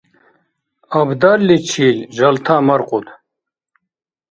Абдалличил жалта маркьуд.